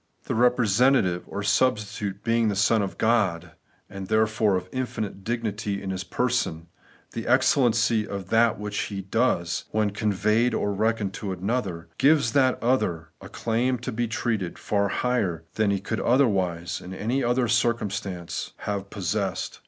The representative or substitute being the Son of God, and therefore of infinite dignity in His person, the excellency of that which He is and does, when conveyed or reckoned to another, gives that other a claim to be treated far higher than he could otherwise in any circumstances have possessed.